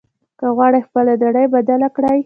که غواړې خپله نړۍ بدله کړې.